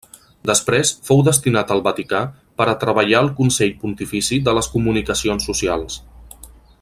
Després fou destinat al Vaticà per a treballar al Consell Pontifici de les Comunicacions Socials.